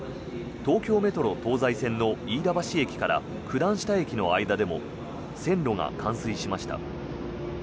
東京メトロ東西線の飯田橋駅から九段下駅の間でも線路が冠水しました。